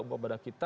buat para kita